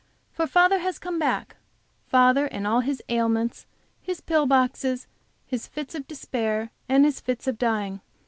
For father has come back; father and all his ailments, his pill boxes, his fits of despair and his fits of dying.